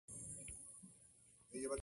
Kentaro Sakai